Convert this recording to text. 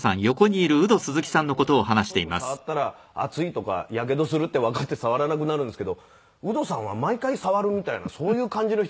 普通赤ちゃんでもストーブ触ったら熱いとかやけどするってわかって触らなくなるんですけどウドさんは毎回触るみたいなそういう感じの人。